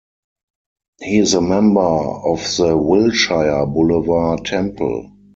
He is a member of the Wilshire Boulevard Temple.